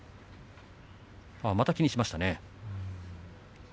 また気にしましたね。